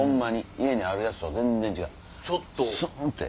家にあるやつとは全然違うスンって。